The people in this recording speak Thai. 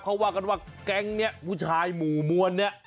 เขาว่ากันว่าแก๊งนี้ผู้ชายหมู่มวลเนี่ย